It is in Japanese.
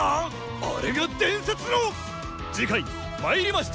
あれが伝説の⁉次回「魔入りました！